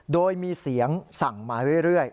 โดยมีเสียงสั่งมาเรื่อย